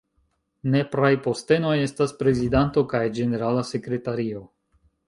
Nepraj postenoj estas prezidanto kaj ĝenerala sekretario.